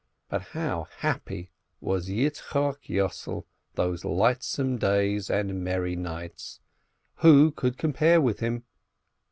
But how happy was Yitzchok Yossel those lightsome days and merry nights? Who could compare with him?